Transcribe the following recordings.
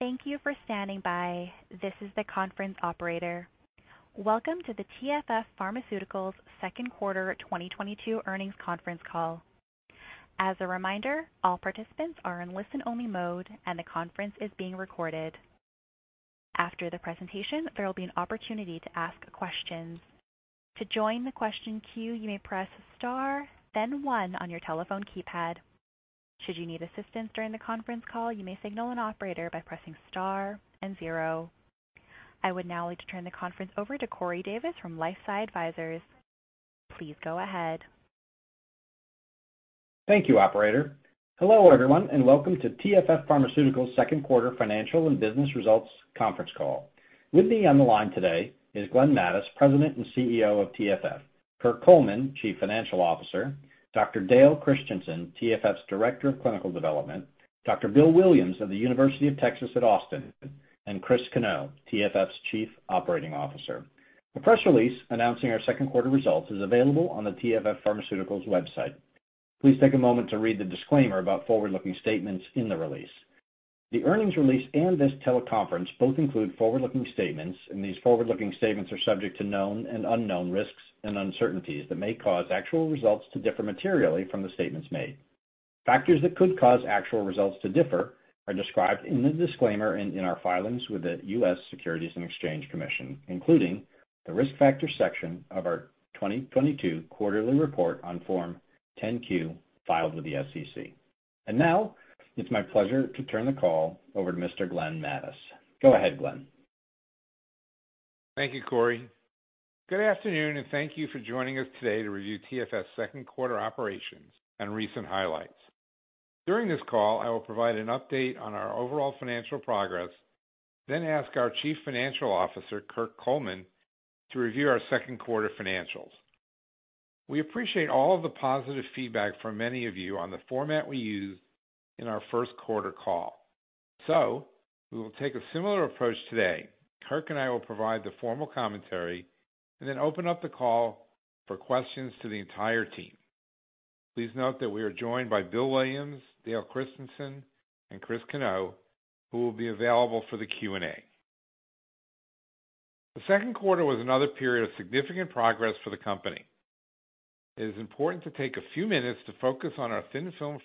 Thank you for standing by. This is the conference operator. Welcome to the TFF Pharmaceuticals second quarter 2022 earnings conference call. As a reminder, all participants are in listen-only mode, and the conference is being recorded. After the presentation, there will be an opportunity to ask questions. To join the question queue, you may press star then one on your telephone keypad. Should you need assistance during the conference call, you may signal an operator by pressing star and zero. I would now like to turn the conference over to Corey Davis from LifeSci Advisors. Please go ahead. Thank you, operator. Hello, everyone, and welcome to TFF Pharmaceuticals second quarter financial and business results conference call. With me on the line today is Glenn Mattes, President and CEO of TFF, Kirk Coleman, Chief Financial Officer, Dr. Dale Christensen, TFF's Director of Clinical Development, Dr. Bill Williams of the University of Texas at Austin, and Chris Cano, TFF's Chief Operating Officer. The press release announcing our second quarter results is available on the TFF Pharmaceuticals website. Please take a moment to read the disclaimer about forward-looking statements in the release. The earnings release and this teleconference both include forward-looking statements, and these forward-looking statements are subject to known and unknown risks and uncertainties that may cause actual results to differ materially from the statements made. Factors that could cause actual results to differ are described in the disclaimer in our filings with the U.S. Securities and Exchange Commission, including the Risk Factors section of our 2022 quarterly report on Form 10-Q filed with the SEC. Now, it's my pleasure to turn the call over to Mr. Glenn Mattes. Go ahead, Glenn. Thank you, Corey. Good afternoon, and thank you for joining us today to review TFF's second quarter operations and recent highlights. During this call, I will provide an update on our overall financial progress, then ask our Chief Financial Officer, Kirk Coleman, to review our second quarter financials. We appreciate all the positive feedback from many of you on the format we used in our first quarter call. We will take a similar approach today. Kirk and I will provide the formal commentary and then open up the call for questions to the entire team. Please note that we are joined by Bill Williams, Dale Christensen, and Chris Cano, who will be available for the Q&A. The second quarter was another period of significant progress for the company. It is important to take a few minutes to focus on our Thin Film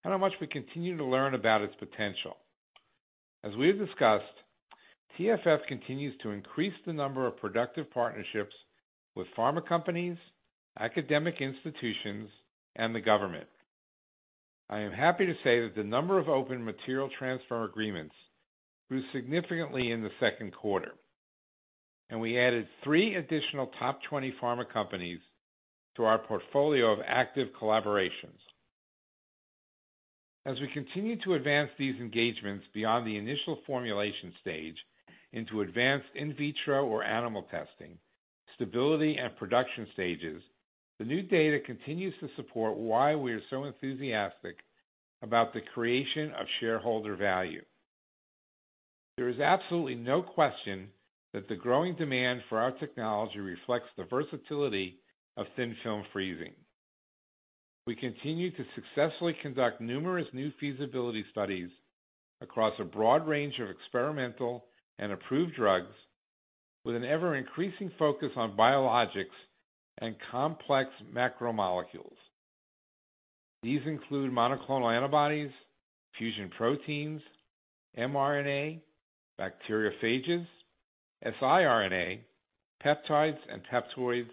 Freezing technology and how much we continue to learn about its potential. As we have discussed, TFF continues to increase the number of productive partnerships with pharma companies, academic institutions, and the government. I am happy to say that the number of open material transfer agreements grew significantly in the second quarter, and we added three additional top twenty pharma companies to our portfolio of active collaborations. As we continue to advance these engagements beyond the initial formulation stage into advanced in vitro or animal testing, stability and production stages, the new data continues to support why we are so enthusiastic about the creation of shareholder value. There is absolutely no question that the growing demand for our technology reflects the versatility of Thin Film Freezing. We continue to successfully conduct numerous new feasibility studies across a broad range of experimental and approved drugs with an ever-increasing focus on biologics and complex macromolecules. These include monoclonal antibodies, fusion proteins, mRNA, bacteriophages, siRNA, peptides, and peptoids,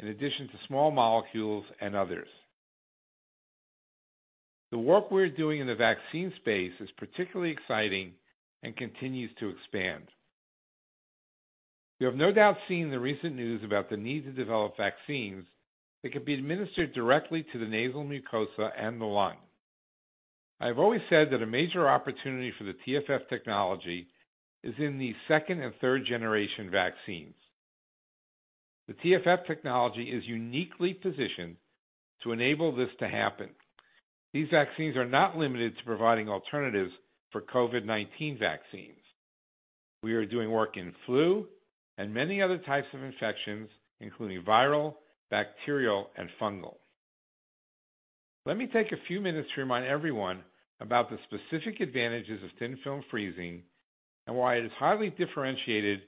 in addition to small molecules and others. The work we're doing in the vaccine space is particularly exciting and continues to expand. You have no doubt seen the recent news about the need to develop vaccines that can be administered directly to the nasal mucosa and the lung. I've always said that a major opportunity for the TFF technology is in these second and third-generation vaccines. The TFF technology is uniquely positioned to enable this to happen. These vaccines are not limited to providing alternatives for COVID-19 vaccines. We are doing work in flu and many other types of infections, including viral, bacterial, and fungal. Let me take a few minutes to remind everyone about the specific advantages of Thin Film Freezing and why it is highly differentiated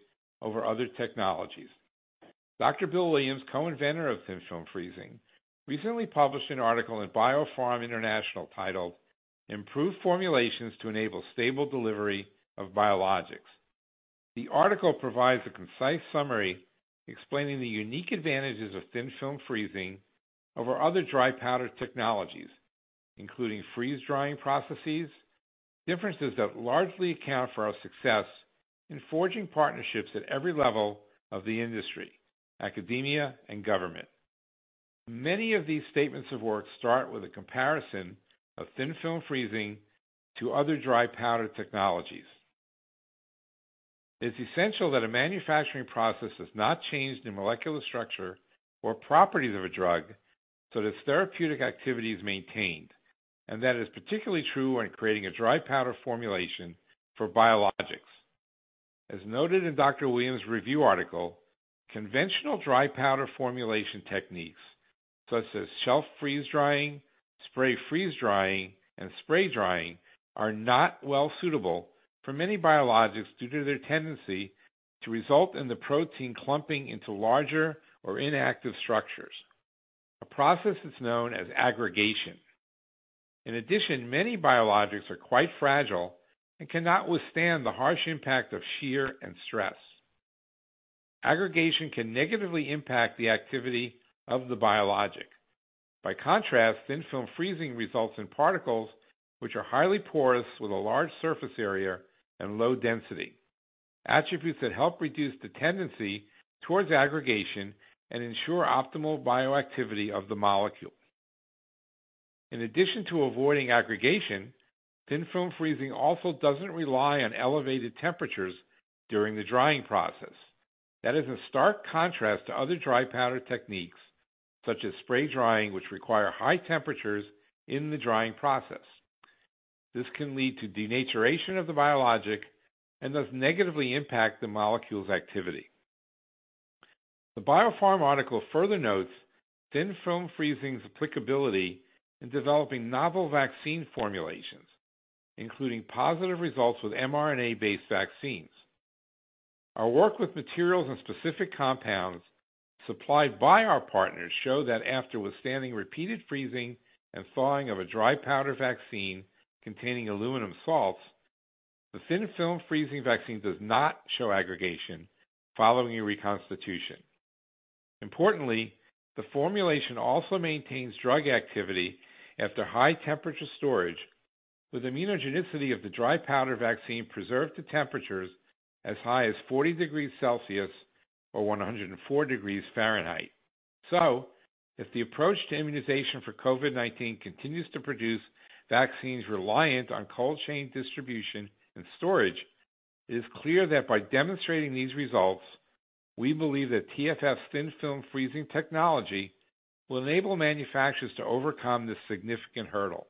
over other technologies. Dr. Bill Williams, co-inventor of Thin Film Freezing, recently published an article in BioPharm International titled Improved Formulations to Enable Stable Delivery of Biologics. The article provides a concise summary explaining the unique advantages of Thin Film Freezing over other dry powder technologies, including freeze-drying processes, differences that largely account for our success in forging partnerships at every level of the industry, academia, and government. Many of these statements of work start with a comparison of Thin Film Freezing to other dry powder technologies. It's essential that a manufacturing process has not changed the molecular structure or properties of a drug so that its therapeutic activity is maintained, and that is particularly true when creating a dry powder formulation for biologics. As noted in Dr. Williams' review article, conventional dry powder formulation techniques such as shelf freeze drying, spray freeze drying, and spray drying are not well suitable for many biologics due to their tendency to result in the protein clumping into larger or inactive structures. A process that's known as aggregation. In addition, many biologics are quite fragile and cannot withstand the harsh impact of shear and stress. Aggregation can negatively impact the activity of the biologic. By contrast, Thin Film Freezing results in particles which are highly porous with a large surface area and low density, attributes that help reduce the tendency towards aggregation and ensure optimal bioactivity of the molecule. In addition to avoiding aggregation, Thin Film Freezing also doesn't rely on elevated temperatures during the drying process. That is a stark contrast to other dry powder techniques such as spray drying, which require high temperatures in the drying process. This can lead to denaturation of the biologic and thus negatively impact the molecule's activity. The BioPharm article further notes Thin Film Freezing's applicability in developing novel vaccine formulations, including positive results with mRNA-based vaccines. Our work with materials and specific compounds supplied by our partners show that after withstanding repeated freezing and thawing of a dry powder vaccine containing aluminum salts, the Thin Film Freezing vaccine does not show aggregation following a reconstitution. Importantly, the formulation also maintains drug activity after high temperature storage, with immunogenicity of the dry powder vaccine preserved to temperatures as high as 40 degrees Celsius or 104 degrees Fahrenheit. If the approach to immunization for COVID-19 continues to produce vaccines reliant on cold chain distribution and storage, it is clear that by demonstrating these results, we believe that TFF's Thin Film Freezing technology will enable manufacturers to overcome this significant hurdle.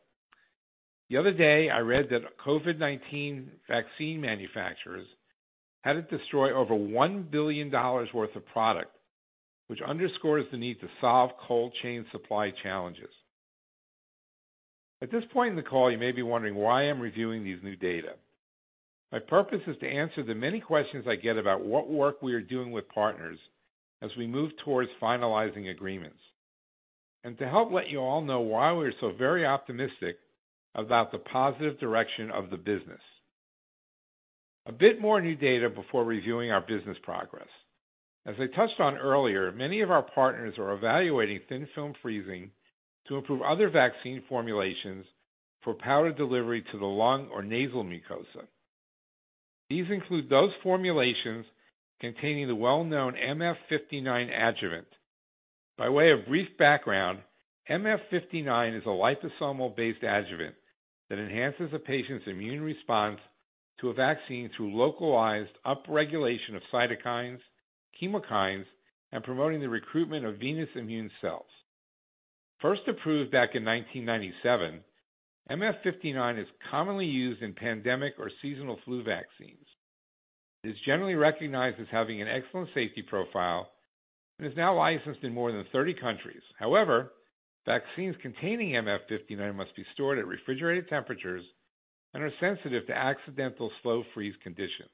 The other day I read that COVID-19 vaccine manufacturers had to destroy over $1 billion worth of product, which underscores the need to solve cold chain supply challenges. At this point in the call, you may be wondering why I'm reviewing these new data. My purpose is to answer the many questions I get about what work we are doing with partners as we move towards finalizing agreements, and to help let you all know why we are so very optimistic about the positive direction of the business. A bit more new data before reviewing our business progress. As I touched on earlier, many of our partners are evaluating Thin Film Freezing to improve other vaccine formulations for powder delivery to the lung or nasal mucosa. These include those formulations containing the well-known MF59 adjuvant. By way of brief background, MF59 is a liposomal-based adjuvant that enhances a patient's immune response to a vaccine through localized upregulation of cytokines, chemokines, and promoting the recruitment of innate immune cells. First approved back in 1997, MF59 is commonly used in pandemic or seasonal flu vaccines. It is generally recognized as having an excellent safety profile and is now licensed in more than 30 countries. However, vaccines containing MF59 must be stored at refrigerated temperatures and are sensitive to accidental slow freeze conditions.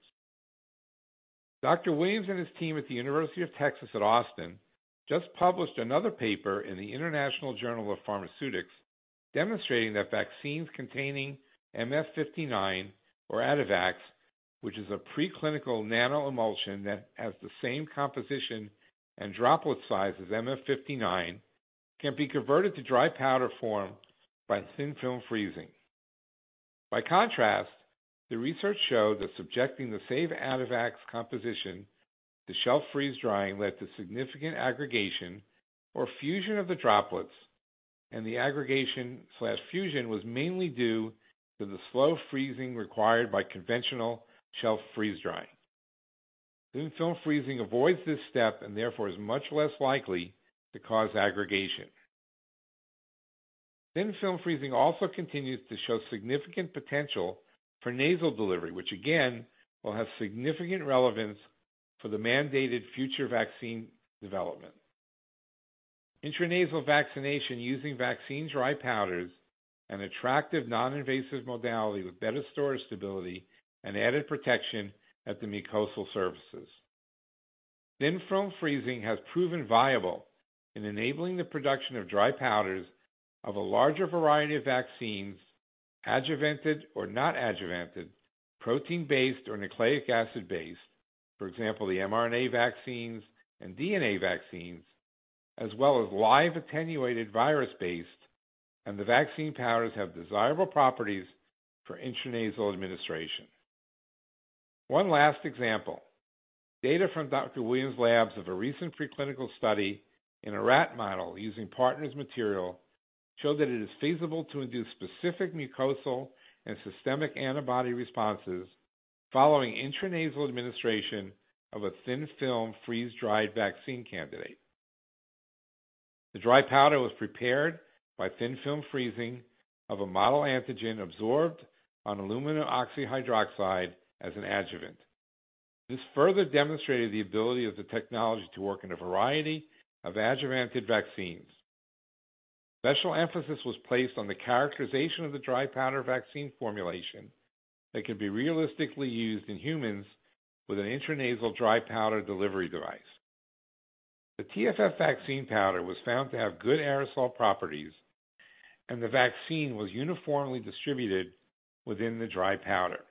Dr. Williams and his team at the University of Texas at Austin just published another paper in the International Journal of Pharmaceutics demonstrating that vaccines containing MF59 or AddaVax, which is a preclinical nanoemulsion that has the same composition and droplet size as MF59, can be converted to dry powder form by Thin Film Freezing. By contrast, the research showed that subjecting the same AddaVax composition to shelf freeze drying led to significant aggregation or fusion of the droplets, and the aggregation/fusion was mainly due to the slow freezing required by conventional shelf freeze drying. Thin Film Freezing avoids this step and therefore is much less likely to cause aggregation. Thin Film Freezing also continues to show significant potential for nasal delivery, which again will have significant relevance for the mandated future vaccine development. Intranasal vaccination using vaccine dry powders, an attractive non-invasive modality with better storage stability and added protection at the mucosal surfaces. Thin Film Freezing has proven viable in enabling the production of dry powders of a larger variety of vaccines, adjuvanted or not adjuvanted, protein-based or nucleic acid-based, for example, the mRNA vaccines and DNA vaccines, as well as live attenuated virus-based, and the vaccine powders have desirable properties for intranasal administration. One last example. Data from Dr. Williams' labs of a recent preclinical study in a rat model using partner's material showed that it is feasible to induce specific mucosal and systemic antibody responses following intranasal administration of a Thin Film Freezing-dried vaccine candidate. The dry powder was prepared by Thin Film Freezing of a model antigen adsorbed on aluminum oxyhydroxide as an adjuvant. This further demonstrated the ability of the technology to work in a variety of adjuvanted vaccines. Special emphasis was placed on the characterization of the dry powder vaccine formulation that could be realistically used in humans with an intranasal dry powder delivery device. The TFF vaccine powder was found to have good aerosol properties, and the vaccine was uniformly distributed within the dry powder.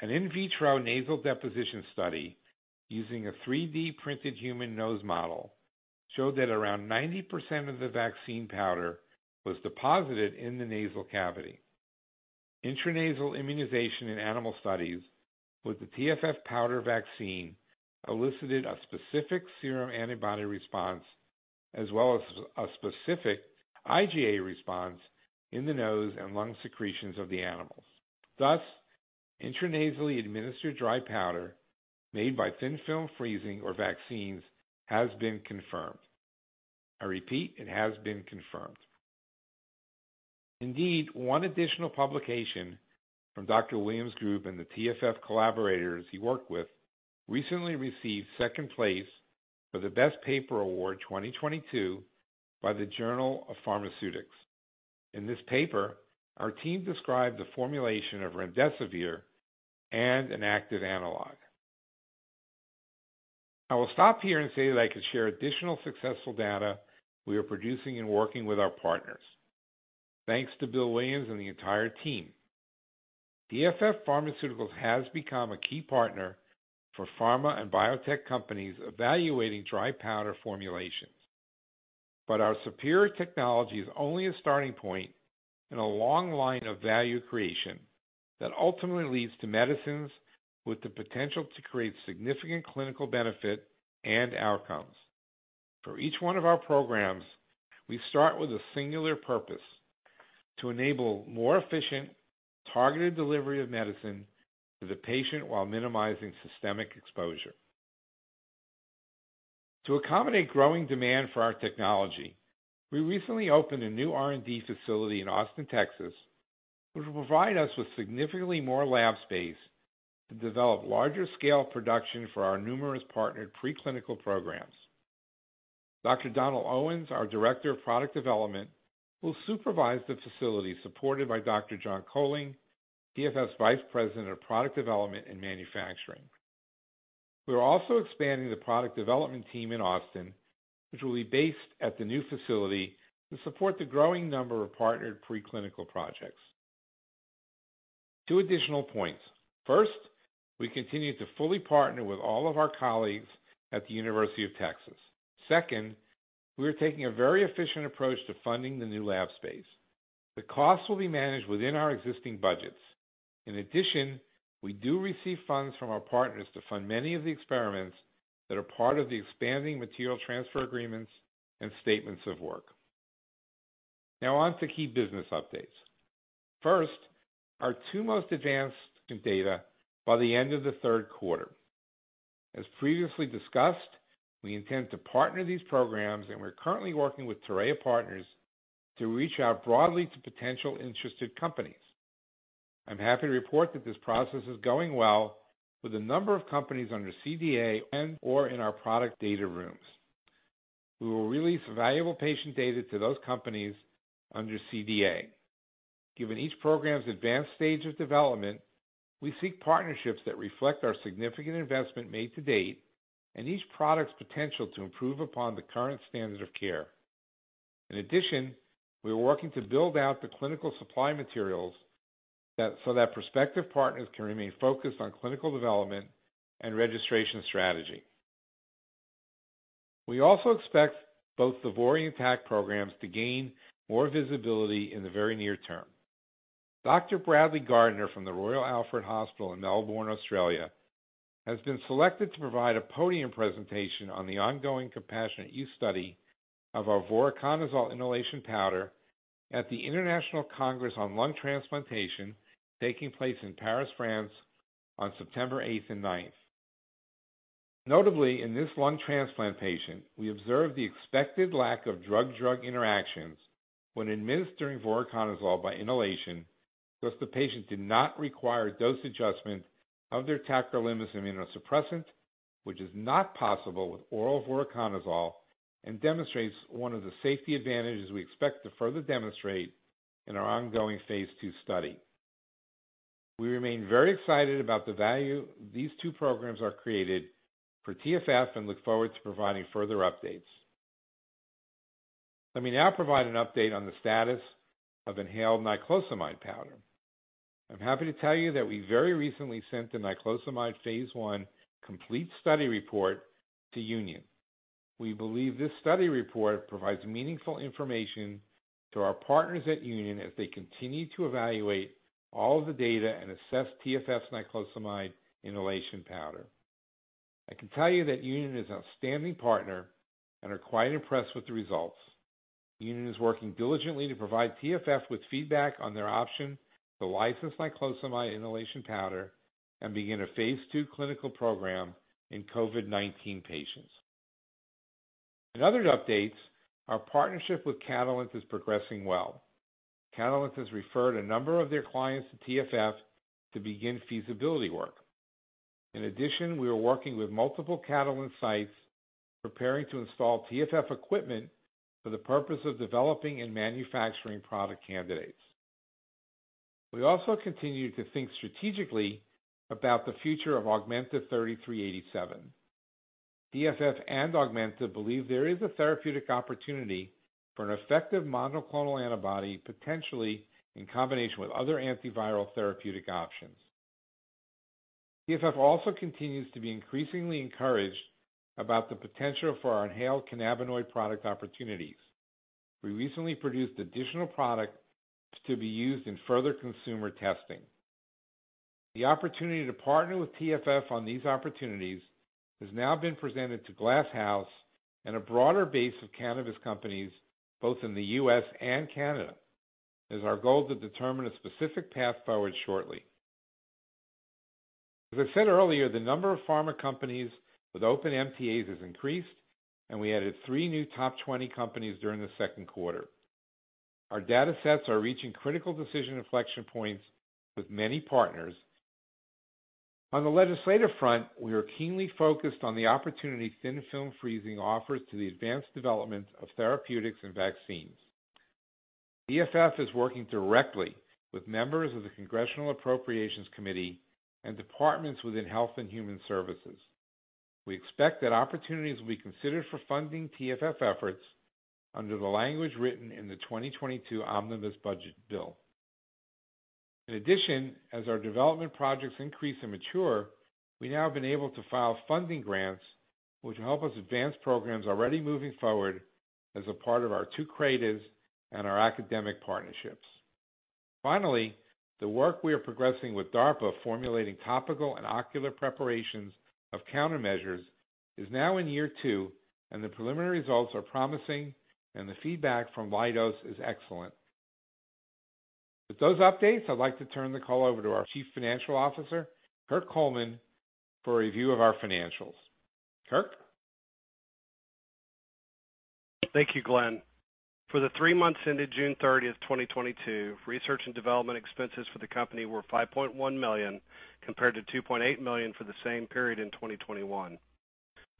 An in vitro nasal deposition study using a 3D-printed human nose model showed that around 90% of the vaccine powder was deposited in the nasal cavity. Intranasal immunization in animal studies with the TFF powder vaccine elicited a specific serum antibody response as well as a specific IgA response in the nose and lung secretions of the animals. Thus, intranasally administered dry powder made by Thin Film Freezing for vaccines has been confirmed. I repeat, it has been confirmed. Indeed, one additional publication from Dr. Williams' group and the TFF collaborators he worked with recently received second place for the Best Paper Award 2022 by Pharmaceutics. In this paper, our team described the formulation of remdesivir and an active analog. I will stop here and say that I could share additional successful data we are producing and working with our partners. Thanks to Bill Williams and the entire team. TFF Pharmaceuticals has become a key partner for pharma and biotech companies evaluating dry powder formulations. Our superior technology is only a starting point in a long line of value creation that ultimately leads to medicines with the potential to create significant clinical benefit and outcomes. For each one of our programs, we start with a singular purpose to enable more efficient targeted delivery of medicine to the patient while minimizing systemic exposure. To accommodate growing demand for our technology, we recently opened a new R&D facility in Austin, Texas, which will provide us with significantly more lab space to develop larger scale production for our numerous partnered preclinical programs. Dr. Donald E. Owens III, our Director of Product Development, will supervise the facility supported by Dr. John McHale, TFF's Vice President of Product Development and Manufacturing. We're also expanding the product development team in Austin, which will be based at the new facility to support the growing number of partnered preclinical projects. Two additional points. First, we continue to fully partner with all of our colleagues at the University of Texas. Second, we are taking a very efficient approach to funding the new lab space. The cost will be managed within our existing budgets. In addition, we do receive funds from our partners to fund many of the experiments that are part of the expanding material transfer agreements and statements of work. Now on to key business updates. First, our two most advanced data by the end of the third quarter. As previously discussed, we intend to partner these programs, and we're currently working with Thera Partners to reach out broadly to potential interested companies. I'm happy to report that this process is going well with a number of companies under CDA and/or in our product data rooms. We will release valuable patient data to those companies under CDA. Given each program's advanced stage of development, we seek partnerships that reflect our significant investment made to date and each product's potential to improve upon the current standard of care. In addition, we are working to build out the clinical supply materials so that prospective partners can remain focused on clinical development and registration strategy. We also expect both the VOR and TAC programs to gain more visibility in the very near term. Dr. Bradley Gardiner from the Alfred Hospital in Melbourne, Australia, has been selected to provide a podium presentation on the ongoing compassionate use study of our voriconazole inhalation powder at the International Congress on Lung Transplantation taking place in Paris, France on September 8th and 9th. Notably, in this lung transplant patient, we observed the expected lack of drug-drug interactions when administering voriconazole by inhalation, thus the patient did not require dose adjustment of their tacrolimus immunosuppressant, which is not possible with oral voriconazole and demonstrates one of the safety advantages we expect to further demonstrate in our ongoing phase II study. We remain very excited about the value these two programs are created for TFF and look forward to providing further updates. Let me now provide an update on the status of inhaled niclosamide powder. I'm happy to tell you that we very recently sent the niclosamide phase I complete study report to Union. We believe this study report provides meaningful information to our partners at Union as they continue to evaluate all of the data and assess TFF's niclosamide inhalation powder. I can tell you that Union is an outstanding partner and are quite impressed with the results. Union is working diligently to provide TFF with feedback on their option to license niclosamide inhalation powder and begin a phase II clinical program in COVID-19 patients. In other updates, our partnership with Catalent is progressing well. Catalent has referred a number of their clients to TFF to begin feasibility work. In addition, we are working with multiple Catalent sites preparing to install TFF equipment for the purpose of developing and manufacturing product candidates. We also continue to think strategically about the future of AUG-3387. TFF and Augmenta believe there is a therapeutic opportunity for an effective monoclonal antibody, potentially in combination with other antiviral therapeutic options. TFF also continues to be increasingly encouraged about the potential for our inhaled cannabinoid product opportunities. We recently produced additional product to be used in further consumer testing. The opportunity to partner with TFF on these opportunities has now been presented to Glass House and a broader base of cannabis companies both in the U.S. and Canada. It's our goal to determine a specific path forward shortly. As I said earlier, the number of pharma companies with open MTAs has increased, and we added three new top 20 companies during the second quarter. Our datasets are reaching critical decision inflection points with many partners. On the legislative front, we are keenly focused on the opportunity Thin Film Freezing offers to the advanced development of therapeutics and vaccines. TFF is working directly with members of the House Committee on Appropriations and departments within the Department of Health and Human Services. We expect that opportunities will be considered for funding TFF efforts under the language written in the 2022 omnibus budget bill. In addition, as our development projects increase and mature, we now have been able to file funding grants which help us advance programs already moving forward as a part of our therapeutics and our academic partnerships. Finally, the work we are progressing with DARPA formulating topical and ocular preparations of countermeasures is now in year two, and the preliminary results are promising, and the feedback from Leidos is excellent. With those updates, I'd like to turn the call over to our Chief Financial Officer, Kirk Coleman, for a review of our financials. Kirk? Thank you, Glenn. For the three months ended June 30, 2022, research and development expenses for the company were $5.1 million, compared to $2.8 million for the same period in 2021.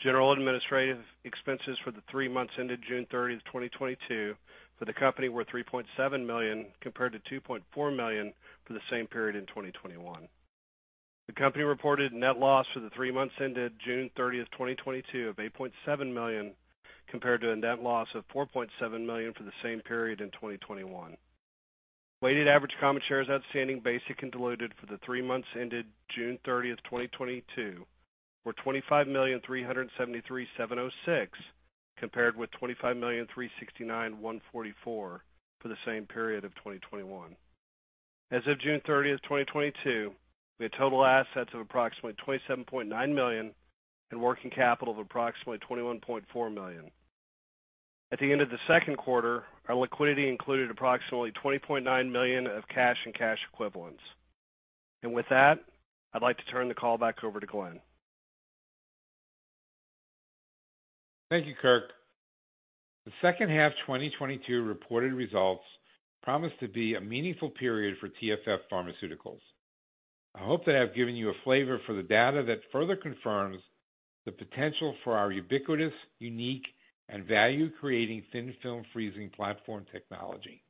General and administrative expenses for the three months ended June 30, 2022 for the company were $3.7 million, compared to $2.4 million for the same period in 2021. The company reported net loss for the three months ended June 30, 2022 of $8.7 million, compared to a net loss of $4.7 million for the same period in 2021. Weighted average common shares outstanding, basic and diluted for the three months ended June 30, 2022 were 25,373,706, compared with 25,369,144 for the same period of 2021. As of June 30, 2022, we had total assets of approximately $27.9 million and working capital of approximately $21.4 million. At the end of the second quarter, our liquidity included approximately $20.9 million of cash and cash equivalents. With that, I'd like to turn the call back over to Glenn. Thank you, Kirk. The second half 2022 reported results promise to be a meaningful period for TFF Pharmaceuticals. I hope that I've given you a flavor for the data that further confirms the potential for our ubiquitous, unique, and value-creating Thin Film Freezing platform technology.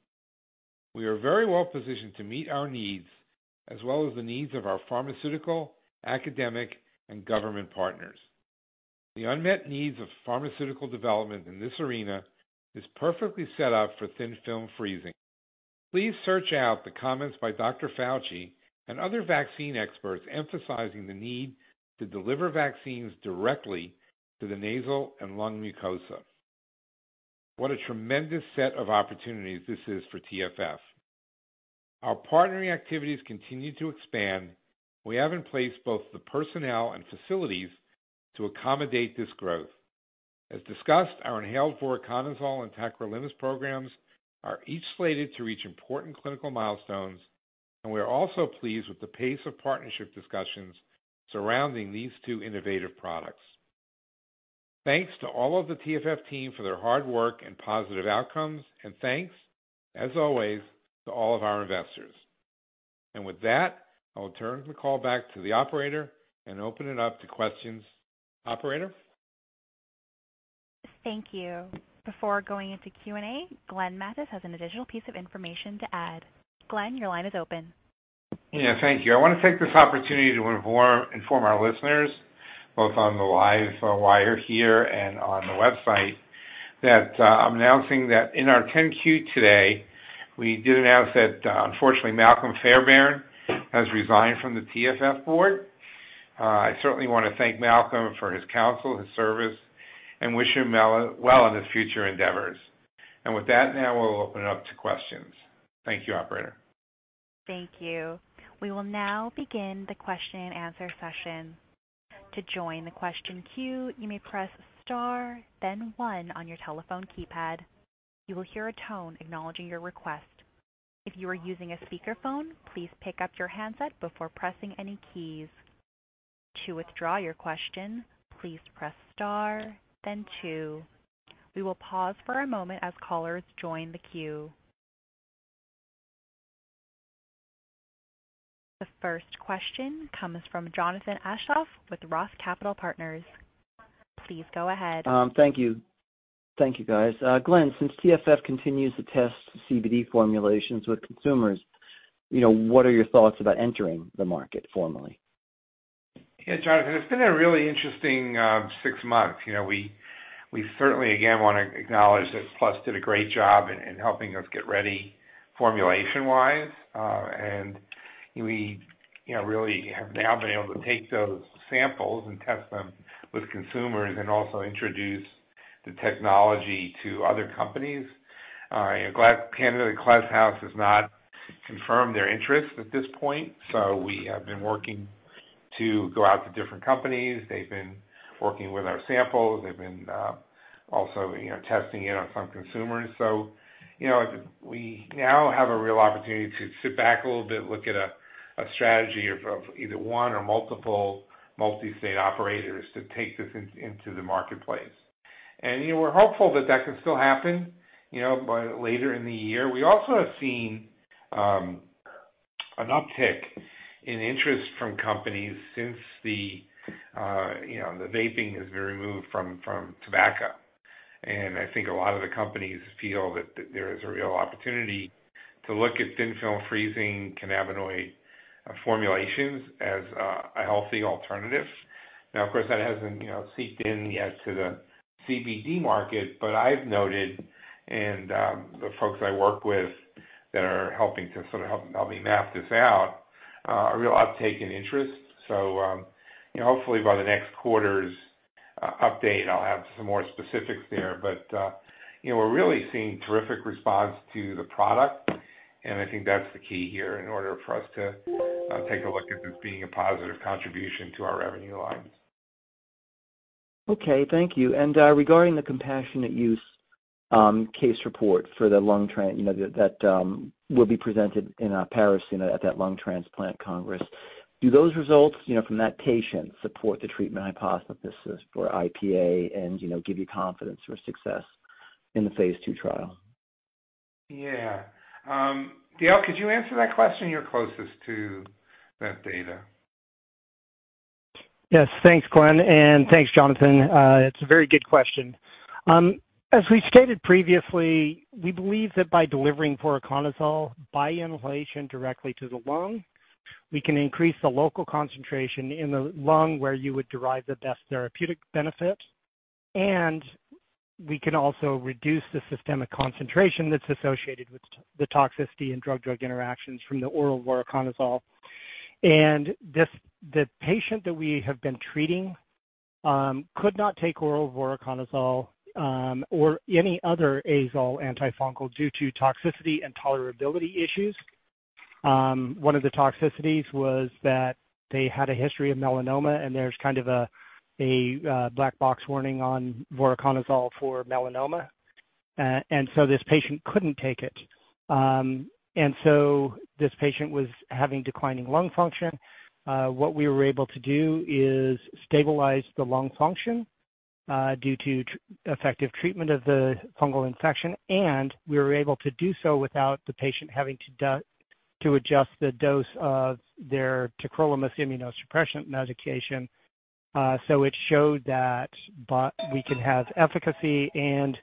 We are very well positioned to meet our needs as well as the needs of our pharmaceutical, academic, and government partners. The unmet needs of pharmaceutical development in this arena is perfectly set up for Thin Film Freezing. Please search out the comments by Dr. Fauci and other vaccine experts emphasizing the need to deliver vaccines directly to the nasal and lung mucosa. What a tremendous set of opportunities this is for TFF. Our partnering activities continue to expand. We have in place both the personnel and facilities to accommodate this growth. As discussed, our inhaled voriconazole and tacrolimus programs are each slated to reach important clinical milestones, and we are also pleased with the pace of partnership discussions surrounding these two innovative products. Thanks to all of the TFF team for their hard work and positive outcomes, and thanks as always, to all of our investors. With that, I'll turn the call back to the operator and open it up to questions. Operator? Thank you. Before going into Q&A, Glenn Mattes has an additional piece of information to add. Glenn, your line is open. Yeah, thank you. I want to take this opportunity to inform our listeners, both on the live wire here and on the website, that I'm announcing that in our 10-Q today, we do announce that unfortunately, Malcolm Fairbairn has resigned from the TFF board. I certainly wanna thank Malcolm for his counsel, his service, and wish him well on his future endeavors. With that, now we'll open it up to questions. Thank you, operator. Thank you. We will now begin the question-and-answer session. To join the question queue, you may press Star then one on your telephone keypad. You will hear a tone acknowledging your request. If you are using a speakerphone, please pick up your handset before pressing any keys. To withdraw your question, please press Star then two. We will pause for a moment as callers join the queue. The first question comes from Jonathan Aschoff with ROTH Capital Partners. Please go ahead. Thank you. Thank you, guys. Glenn, since TFF continues to test CBD formulations with consumers, you know, what are your thoughts about entering the market formally? Yeah, Jonathan, it's been a really interesting six months. You know, we certainly, again, wanna acknowledge that Plus did a great job in helping us get ready formulation-wise. We, you know, really have now been able to take those samples and test them with consumers and also introduce the technology to other companies. You know, Glass House has not confirmed their interest at this point, so we have been working to go out to different companies. They've been working with our samples. They've been also, you know, testing it on some consumers. You know, we now have a real opportunity to sit back a little bit, look at a strategy of either one or multiple multi-state operators to take this into the marketplace. You know, we're hopeful that that can still happen, you know, by later in the year. We also have seen an uptick in interest from companies since the vaping has been removed from tobacco. I think a lot of the companies feel that there is a real opportunity to look at Thin Film Freezing cannabinoid formulations as a healthy alternative. Now, of course, that hasn't, you know, seeped in yet to the CBD market, but I've noted and the folks I work with that are helping to sort of help me map this out a real uptake in interest. You know, hopefully by the next quarter's update, I'll have some more specifics there. You know, we're really seeing terrific response to the product, and I think that's the key here in order for us to take a look at this being a positive contribution to our revenue line. Okay. Thank you. Regarding the compassionate use case report for the lung transplant, you know, that will be presented in Paris, you know, at that lung transplant congress. Do those results, you know, from that patient support the treatment hypothesis for IPA and, you know, give you confidence for success in the phase II trial? Yeah. Dale, could you answer that question? You're closest to that data. Yes. Thanks, Glenn, and thanks, Jonathan. It's a very good question. As we stated previously, we believe that by delivering voriconazole by inhalation directly to the lung, we can increase the local concentration in the lung where you would derive the best therapeutic benefit. We can also reduce the systemic concentration that's associated with the toxicity and drug-drug interactions from the oral voriconazole. This patient that we have been treating could not take oral voriconazole or any other azole antifungal due to toxicity and tolerability issues. One of the toxicities was that they had a history of melanoma, and there's kind of a black box warning on voriconazole for melanoma. This patient couldn't take it. This patient was having declining lung function. What we were able to do is stabilize the lung function due to effective treatment of the fungal infection, and we were able to do so without the patient having to adjust the dose of their tacrolimus immunosuppression medication. It showed that we can have efficacy and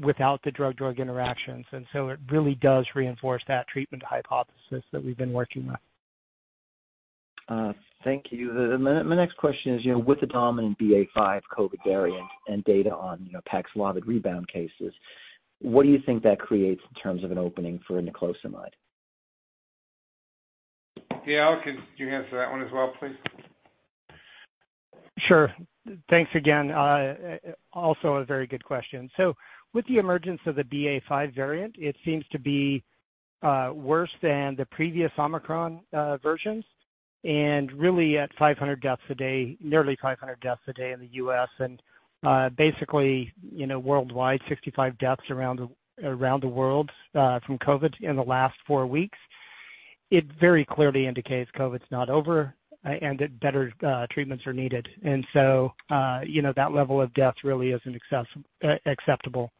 without the drug-drug interactions. It really does reinforce that treatment hypothesis that we've been working on. Thank you. My next question is, you know, with the dominant BA.5 COVID variant and data on, you know, Paxlovid rebound cases, what do you think that creates in terms of an opening for niclosamide? Dale, could you answer that one as well, please? Sure. Thanks again. Also a very good question. With the emergence of the BA.5 variant, it seems to be worse than the previous Omicron versions. Really at 500 deaths a day, nearly 500 deaths a day in the U.S. and basically worldwide, 65 deaths around the world from COVID in the last four weeks, it very clearly indicates COVID's not over and that better treatments are needed. That level of death really isn't acceptable.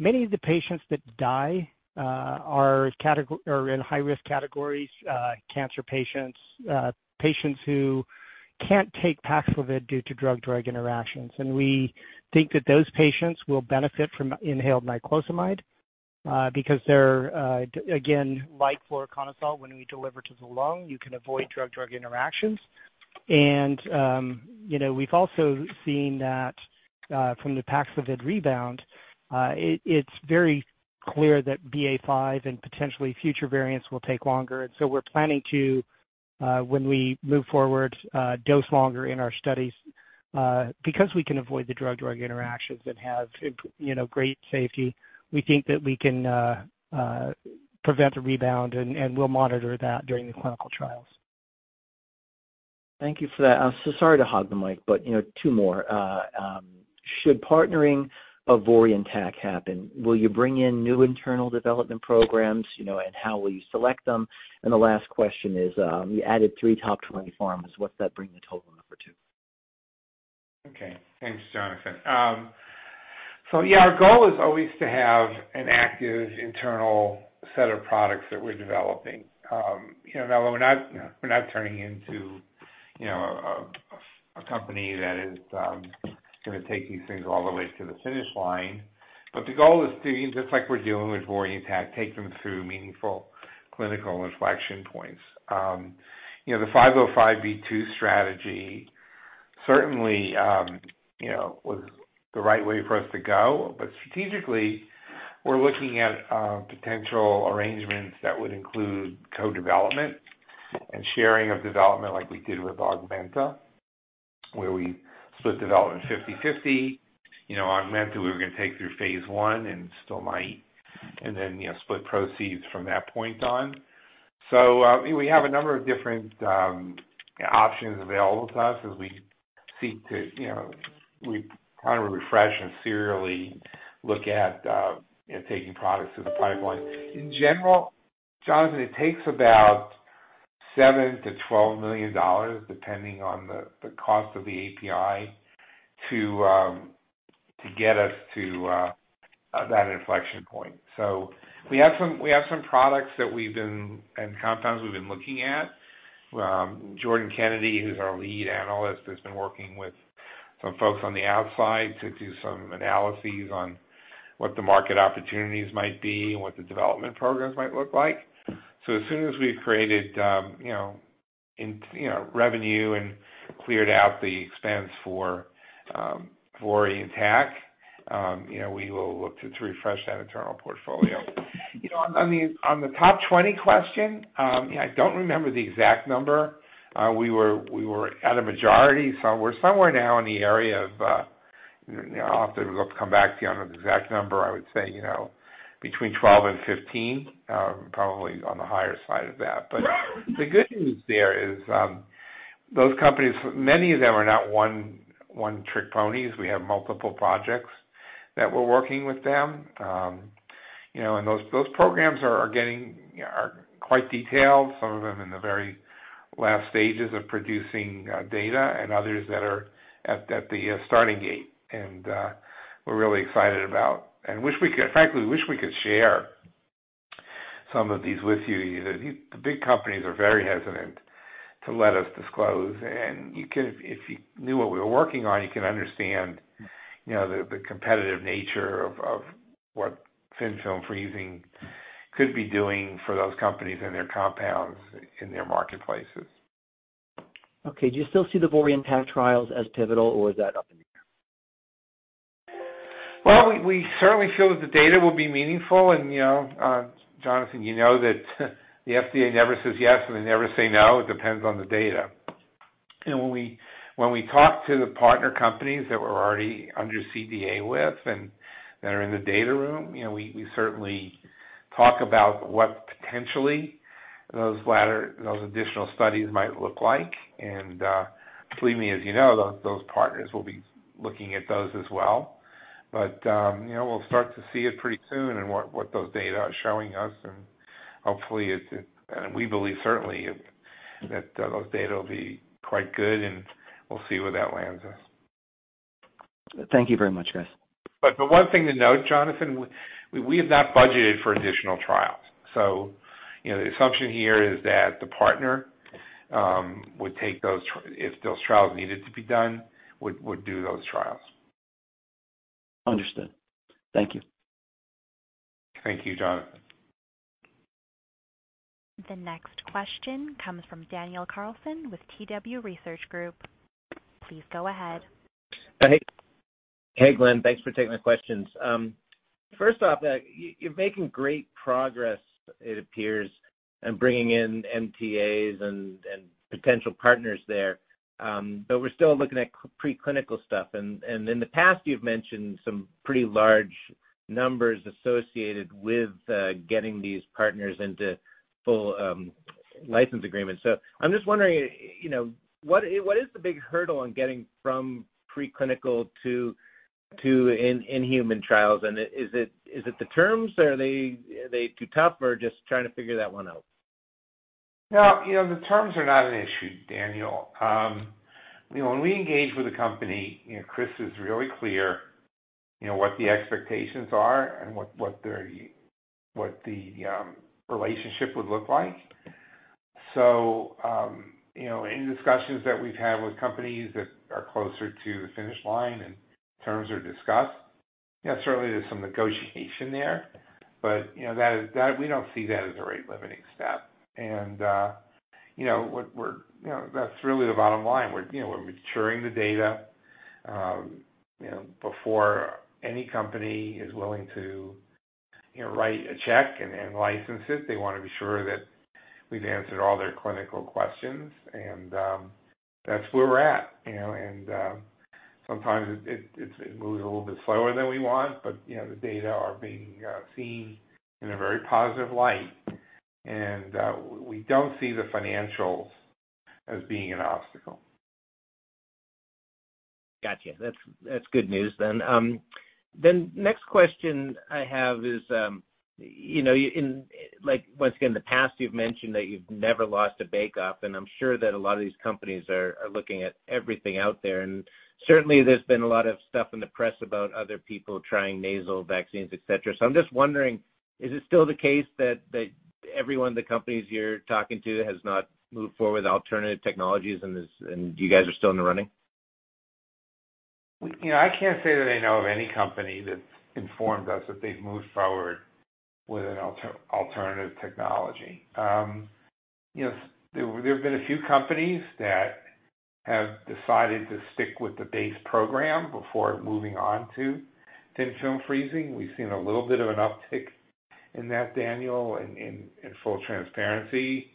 Many of the patients that die are in high-risk categories, cancer patients who can't take Paxlovid due to drug-drug interactions. We think that those patients will benefit from inhaled niclosamide, because they're again, like voriconazole, when we deliver to the lung, you can avoid drug-drug interactions. You know, we've also seen that from the Paxlovid rebound, it's very clear that BA.5 and potentially future variants will take longer. We're planning to, when we move forward, dose longer in our studies, because we can avoid the drug-drug interactions that have you know, great safety. We think that we can prevent a rebound, and we'll monitor that during the clinical trials. Thank you for that. Sorry to hog the mic, but, you know, two more. Should partnering of Vori and TAC happen, will you bring in new internal development programs, you know, and how will you select them? The last question is, you added three top 20 pharmas. What's that bring the total number to? Okay. Thanks, Jonathan. So yeah, our goal is always to have an active internal set of products that we're developing. You know, now we're not turning into a company that is gonna take these things all the way to the finish line. The goal is to, just like we're doing with VORI and TAC, take them through meaningful clinical inflection points. You know, the 505(b)(2) strategy certainly was the right way for us to go. Strategically, we're looking at potential arrangements that would include co-development and sharing of development like we did with Augmenta, where we split development 50/50. You know, Augmenta we were gonna take through phase I and still might, and then split proceeds from that point on. We have a number of different options available to us as we seek to, you know, we kind of refresh and serially look at, you know, taking products through the pipeline. In general, Jonathan, it takes about $7-$12 million, depending on the cost of the API, to get us to that inflection point. We have some products that we've been looking at and compounds we've been looking at. Jordan Kennedy, who's our lead analyst, has been working with some folks on the outside to do some analyses on what the market opportunities might be and what the development programs might look like. As soon as we've created, you know, revenue and cleared out the expense for VORI and TAC, you know, we will look to refresh that internal portfolio. You know, on the top 20 question, yeah, I don't remember the exact number. We were at a majority. We're somewhere now in the area of, you know, I'll have to look to come back to you on an exact number. I would say, you know, between 12 and 15, probably on the higher side of that. But the good news there is, those companies, many of them are not one-trick ponies. We have multiple projects that we're working with them, you know, and those programs are getting quite detailed, some of them in the very last stages of producing data and others that are at the starting gate. We're really excited about and frankly wish we could share some of these with you. The big companies are very hesitant to let us disclose. If you knew what we were working on, you can understand, you know, the competitive nature of what Thin Film Freezing could be doing for those companies and their compounds in their marketplaces. Okay. Do you still see the VORI and TAC trials as pivotal, or is that up in the air? Well, we certainly feel that the data will be meaningful and, you know, Jonathan, you know that the FDA never says yes, and they never say no. It depends on the data. You know, when we talk to the partner companies that we're already under CDA with and that are in the data room, you know, we certainly talk about what potentially those latter, those additional studies might look like. Believe me, as you know, those partners will be looking at those as well. You know, we'll start to see it pretty soon and what those data are showing us, and hopefully it and we believe certainly that those data will be quite good, and we'll see where that lands us. Thank you very much, guys. The one thing to note, Jonathan, we have not budgeted for additional trials, so, you know, the assumption here is that the partner would take those trials if those trials needed to be done, would do those trials. Understood. Thank you. Thank you, Jonathan. The next question comes from Daniel Carlson with TW Research Group. Please go ahead. Hey. Hey, Glenn. Thanks for taking the questions. First off, you're making great progress, it appears, in bringing in MTAs and potential partners there. We're still looking at preclinical stuff, and in the past you've mentioned some pretty large numbers associated with getting these partners into full license agreements. I'm just wondering, you know, what is the big hurdle on getting from preclinical to in human trials? Is it the terms? Are they too tough or just trying to figure that one out? No, you know, the terms are not an issue, Daniel. You know, when we engage with a company, you know, Chris is really clear, you know, what the expectations are and what the relationship would look like. You know, any discussions that we've had with companies that are closer to the finish line and terms are discussed, yeah, certainly there's some negotiation there. We don't see that as a rate-limiting step. You know, that's really the bottom line. We're maturing the data, you know, before any company is willing to write a check and then license it. They want to be sure that we've answered all their clinical questions. That's where we're at, you know. Sometimes it moves a little bit slower than we want, but you know, the data are being seen in a very positive light. We don't see the financials as being an obstacle. Gotcha. That's good news then. Next question I have is, you know, in like, once again, in the past, you've mentioned that you've never lost a bake-off, and I'm sure that a lot of these companies are looking at everything out there. Certainly, there's been a lot of stuff in the press about other people trying nasal vaccines, et cetera. I'm just wondering, is it still the case that every one of the companies you're talking to has not moved forward with alternative technologies and you guys are still in the running? You know, I can't say that I know of any company that's informed us that they've moved forward with an alternative technology. You know, there have been a few companies that have decided to stick with the base program before moving on to Thin Film Freezing. We've seen a little bit of an uptick in that, Daniel, in full transparency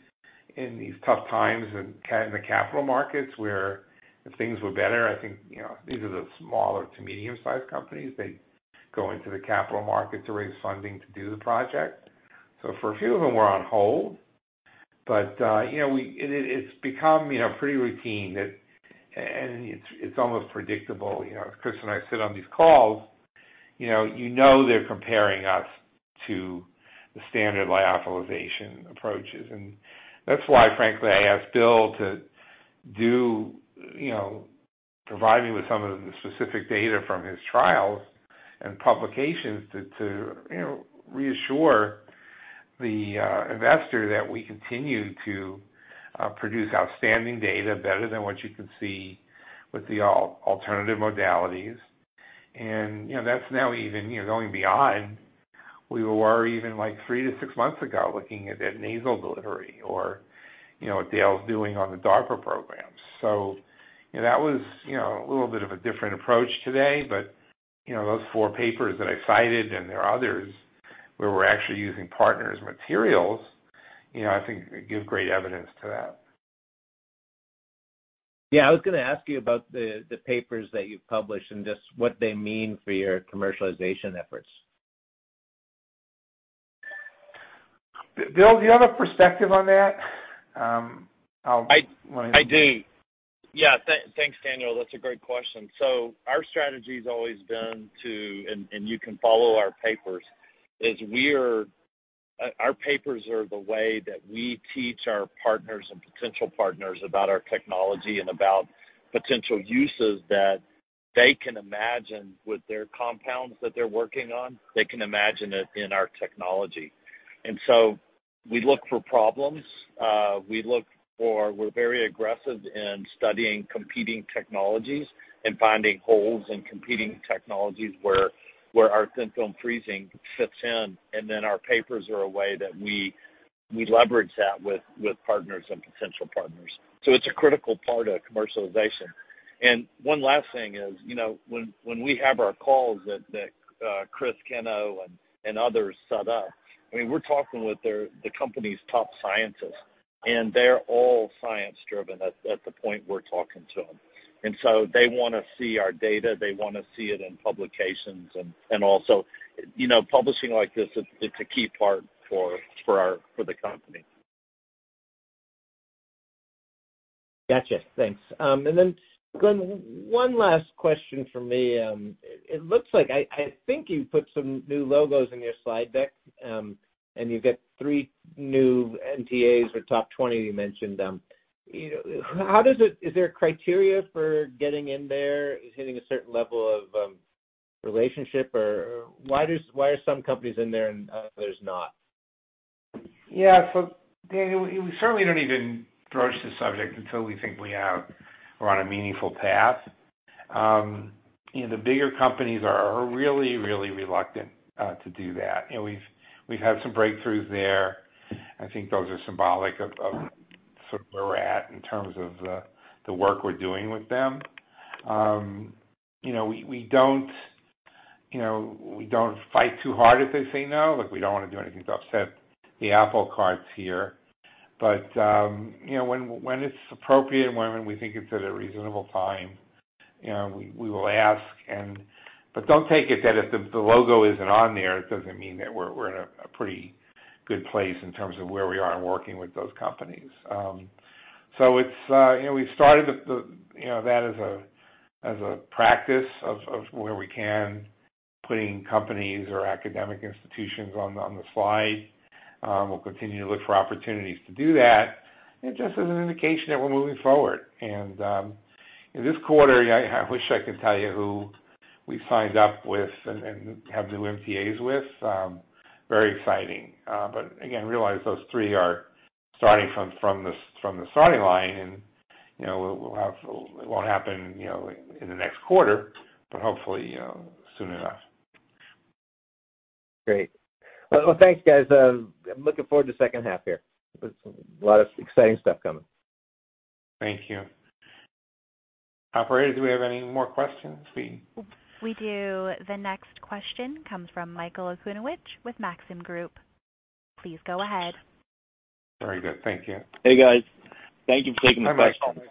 in these tough times in the capital markets, where if things were better, I think, you know, these are the smaller to medium-sized companies. They go into the capital market to raise funding to do the project. For a few of them, we're on hold. You know, we and it's become, you know, pretty routine that, and it's almost predictable. You know, as Chris and I sit on these calls, you know, you know they're comparing us to the standard lyophilization approaches. That's why, frankly, I asked Bill to do, you know, provide me with some of the specific data from his trials and publications to reassure the investor that we continue to produce outstanding data better than what you can see with the alternative modalities. That's now even going beyond where we were even, like, three to six months ago, looking at nasal delivery or, you know, what Dale's doing on the DARPA program. That was a little bit of a different approach today. Those four papers that I cited, and there are others, where we're actually using partners' materials, you know, I think give great evidence to that. Yeah. I was gonna ask you about the papers that you've published and just what they mean for your commercialization efforts. Bill, do you have a perspective on that? I do. Yeah. Thanks, Daniel. That's a great question. Our strategy's always been. You can follow our papers. Our papers are the way that we teach our partners and potential partners about our technology and about potential uses that they can imagine with their compounds that they're working on. They can imagine it in our technology. We look for problems. We're very aggressive in studying competing technologies and finding holes in competing technologies where our Thin Film Freezing fits in. Then our papers are a way that we leverage that with partners and potential partners. It's a critical part of commercialization. One last thing is, you know, when we have our calls that Chris Cano and others set up, I mean, we're talking with their, the company's top scientists, and they're all science-driven at the point we're talking to them. They wanna see our data. They wanna see it in publications. Also, you know, publishing like this, it's a key part for the company. Gotcha. Thanks. Glenn, one last question from me. It looks like I think you put some new logos in your slide deck, and you've got three new MTAs or top twenty you mentioned. You know, how does it. Is there a criteria for getting in there? Is hitting a certain level of relationship? Or why are some companies in there and others not? Yeah. Daniel, we certainly don't even broach the subject until we think we're on a meaningful path. You know, the bigger companies are really reluctant to do that. You know, we've had some breakthroughs there. I think those are symbolic of sort of where we're at in terms of the work we're doing with them. You know, we don't fight too hard if they say no. Like, we don't wanna do anything to upset the apple carts here. You know, when it's appropriate and when we think it's at a reasonable time, you know, we will ask. Don't take it that if the logo isn't on there, it doesn't mean that we're in a pretty good place in terms of where we are in working with those companies. We've started that as a practice of putting companies or academic institutions on the slide. We'll continue to look for opportunities to do that, and just as an indication that we're moving forward. This quarter, I wish I could tell you who we signed up with and have new MTAs with, very exciting. Again, realize those three are starting from the starting line, and it won't happen in the next quarter, but hopefully soon enough. Great. Well, thanks, guys. I'm looking forward to second half here. There's a lot of exciting stuff coming. Thank you. Operator, do we have any more questions? We do. The next question comes from Michael Okunewitch with Maxim Group. Please go ahead. Very good. Thank you. Hey, guys. Thank you for taking the questions.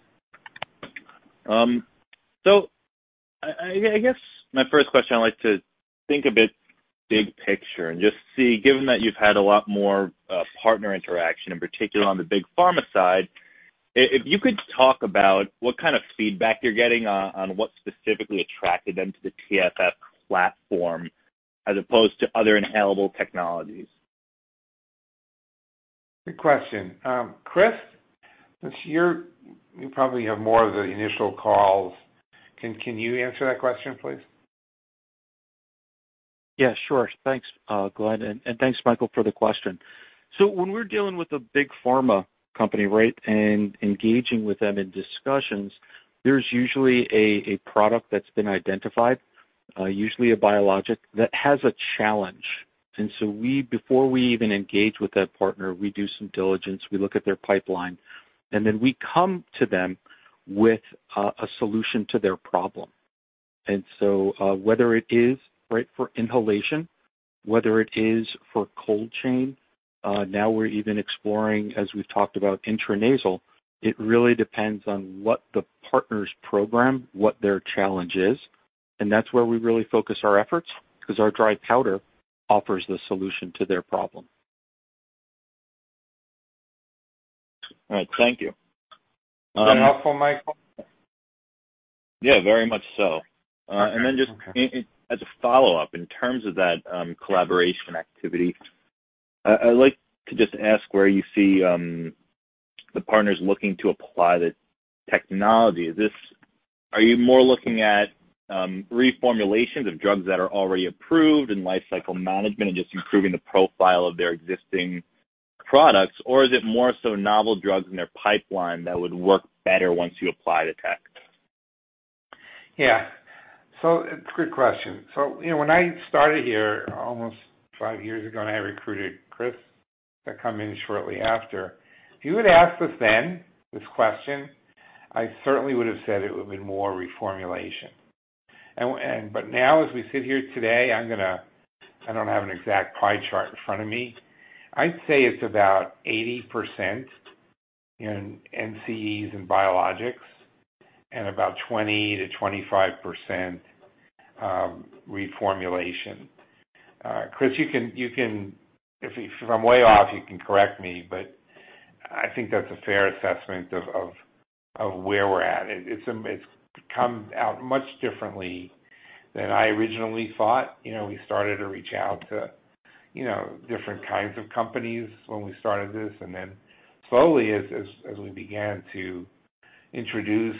Hi, Michael. I guess my first question, I'd like to think a bit big picture and just see, given that you've had a lot more partner interaction, in particular on the big pharma side, if you could talk about what kind of feedback you're getting on what specifically attracted them to the TFF platform as opposed to other inhalable technologies. Good question. Chris, since you probably have more of the initial calls, can you answer that question, please? Yeah, sure. Thanks, Glenn, and thanks, Michael, for the question. When we're dealing with a big pharma company, right, and engaging with them in discussions, there's usually a product that's been identified, usually a biologic that has a challenge. Before we even engage with that partner, we do some diligence, we look at their pipeline, and then we come to them with a solution to their problem. Whether it is, right, for inhalation, whether it is for cold chain, now we're even exploring, as we've talked about intranasal, it really depends on what the partner's program, what their challenge is, and that's where we really focus our efforts because our dry powder offers the solution to their problem. All right. Thank you. Is that all for Michael? Yeah, very much so. Okay. As a follow-up, in terms of that, collaboration activity, I'd like to just ask where you see the partners looking to apply the technology? Are you more looking at reformulations of drugs that are already approved and lifecycle management and just improving the profile of their existing products? Or is it more so novel drugs in their pipeline that would work better once you apply the tech? Yeah. It's a good question. You know, when I started here almost five years ago, and I recruited Chris to come in shortly after, if you would have asked us then this question, I certainly would have said it would have been more reformulation. But now, as we sit here today, I don't have an exact pie chart in front of me. I'd say it's about 80% in NCEs and biologics and about 20%-25% reformulation. Chris, you can. If I'm way off, you can correct me, but I think that's a fair assessment of where we're at. It's come out much differently than I originally thought. You know, we started to reach out to, you know, different kinds of companies when we started this. Slowly as we began to introduce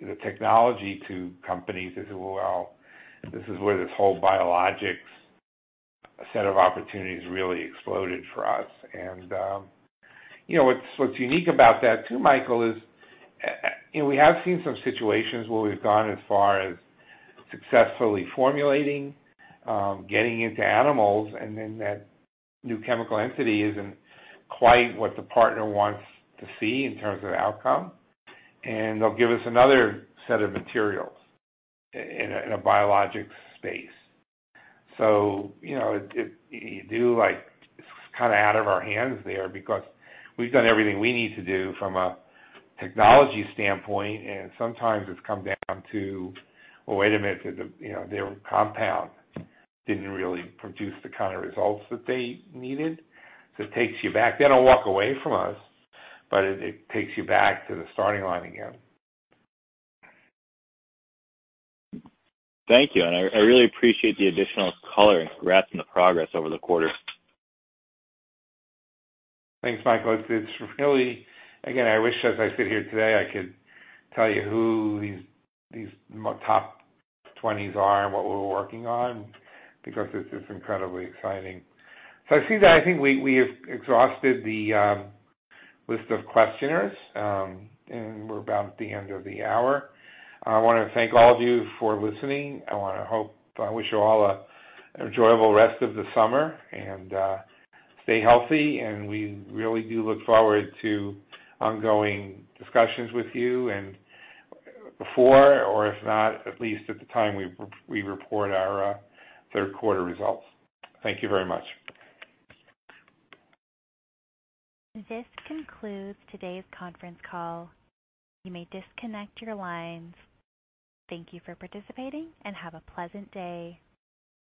the technology to companies as well, this is where this whole biologics set of opportunities really exploded for us. You know, what's unique about that too, Michael, is you know, we have seen some situations where we've gone as far as successfully formulating, getting into animals, and then that New Chemical Entity isn't quite what the partner wants to see in terms of outcome. They'll give us another set of materials in a biologic space. You know, it 's kinda out of our hands there because we've done everything we need to do from a technology standpoint, and sometimes it's come down to well, wait a minute, to the you know, their compound didn't really produce the kind of results that they needed. It takes you back. They don't walk away from us, but it takes you back to the starting line again. Thank you. I really appreciate the additional color regarding the progress over the quarter. Thanks, Michael. It's really again, I wish as I sit here today, I could tell you who these top 20s are and what we're working on because it's just incredibly exciting. I see that I think we have exhausted the list of questioners, and we're about at the end of the hour. I wanna thank all of you for listening. I wish you all an enjoyable rest of the summer and stay healthy, and we really do look forward to ongoing discussions with you and before or if not, at least at the time we report our third quarter results. Thank you very much. This concludes today's conference call. You may disconnect your lines. Thank you for participating and have a pleasant day.